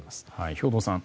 兵頭さん